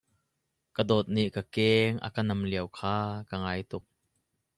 Ka dawt nih ka keng a ka nam lio kha ka ngai tuk.